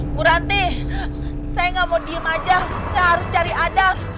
bu ranti saya nggak mau diem aja saya harus cari ada